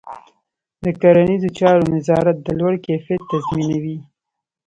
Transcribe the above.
د کرنيزو چارو نظارت د لوړ کیفیت تضمینوي.